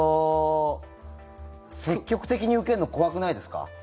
積極的に受けるの怖くないですか？